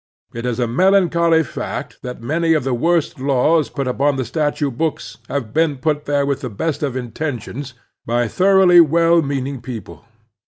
It is a melancholy fact that many of the worst laws put upon the statute books have been put there with the best of intentions by thoroughly well meaning people.